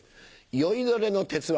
『酔いどれの鉄腕。』。